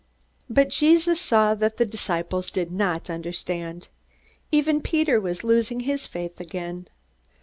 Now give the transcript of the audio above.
But Jesus saw that the disciples did not understand. Even Peter was losing his faith again.